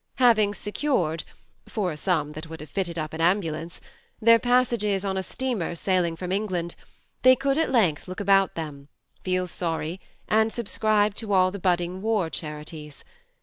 Having secured (for a sum that would have fitted up an ambulance) their passages on a steamer sailing from England, they could at length look about them, feel sorry, and subscribe to all the budding war charities.